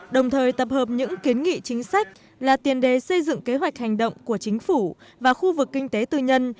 đồng thời tập hợp những kiến nghị chính sách là tiền đề xây dựng kế hoạch hành động của chính phủ và khu vực kinh tế tư nhân